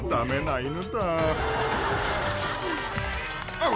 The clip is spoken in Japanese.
あっ！